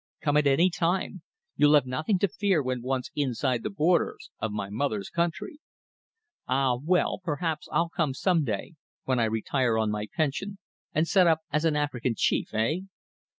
Come at any time. You'll have nothing to fear when once inside the borders of my mother's country." "Ah, well. Perhaps I'll come some day, when I retire on my pension and set up as an African chief eh?"